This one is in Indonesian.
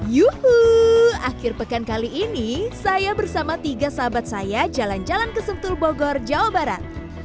yuhuuu akhir pekan kali ini saya bersama tiga sahabat saya jalan jalan ke sentul bogor jawa barat